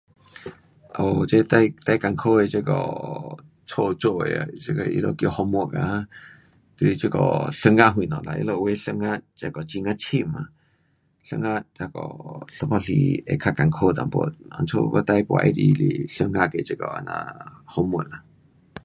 哦，这最，最困苦的这个家的做的像说他们叫 homework 嘎，就是这个数学什么啦，他们有的数学这个很呀深啊，数学那个有半时会较困苦一点，所以我最不喜欢是数学的这个这样 homework。